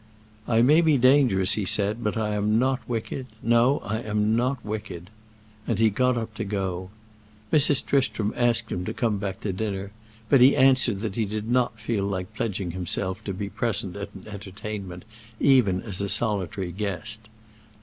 "I may be dangerous," he said; "but I am not wicked. No, I am not wicked." And he got up to go. Mrs. Tristram asked him to come back to dinner; but he answered that he did not feel like pledging himself to be present at an entertainment, even as a solitary guest.